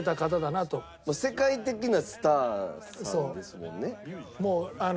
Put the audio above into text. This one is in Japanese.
世界的なスターさんですもんね。